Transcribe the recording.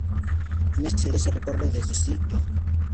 En este cd se recorre desde "Si yo!